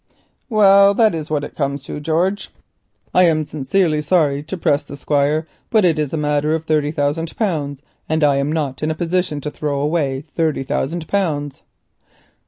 "Well, that is what it comes to, George. I am sincerely sorry to press the Squire, but it's a matter of thirty thousand pounds, and I am not in a position to throw away thirty thousand pounds."